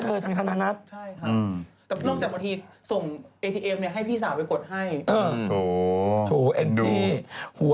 เสร็จแป๊ปเสร็จแล้ว